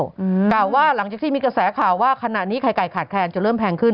กล่าวว่าหลังจากที่มีกระแสข่าวว่าขณะนี้ไข่ไก่ขาดแคลนจะเริ่มแพงขึ้น